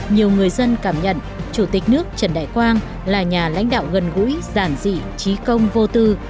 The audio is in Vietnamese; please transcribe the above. nhiều người dân cảm nhận chủ tịch nước trần đại quang là nhà lãnh đạo gần gũi giản dị trí công vô tư